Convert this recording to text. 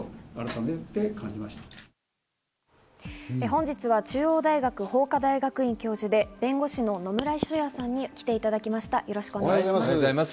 本日は中央大学法科大学院教授で、弁護士の野村修也さんに来ていただきました。